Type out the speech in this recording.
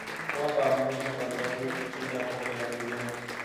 mwaka wa mwisho kwa brazil kushinda kombe la dunia